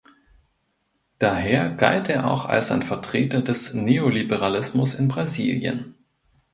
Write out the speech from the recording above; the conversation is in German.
Daher galt er auch als ein Vertreter des Neoliberalismus in Brasilien.